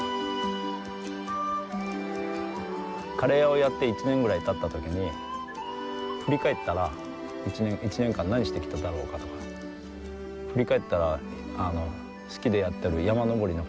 カレー屋をやって１年ぐらいたった時に振り返ったら１年間何してきただろうかとか振り返ったら好きでやってる山登りの事しか覚えてないんです。